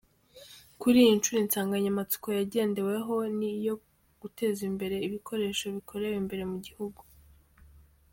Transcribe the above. Kuri iyi nshuro, insanganyamatsiko yagendeweho ni iyo guteza imbere ibikoresho bikorewe imbere mu gihugu.